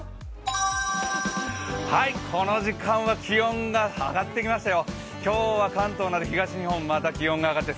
この時間は気温が上がってきましたよ。